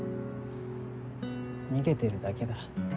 逃げてるだけだ。